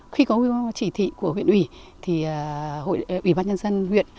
khi có chỉ thị của huyện ủy thì ủy ban nhân dân huyện